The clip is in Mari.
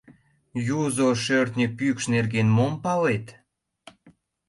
Юзо шӧртньӧ пӱкш нерген мом палет?